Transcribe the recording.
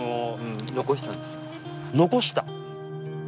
残した？